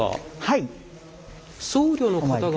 はい。